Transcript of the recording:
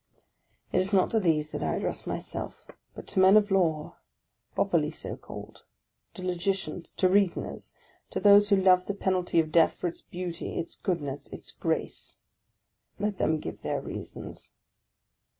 It is not to these that I address myself, but to men of law, prcperly so called, — to logicians, to reasoners; to those who love the penalty of death for its beauty, its goodness, its Let them give their reasons.